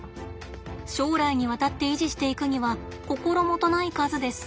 将来にわたって維持していくには心もとない数です。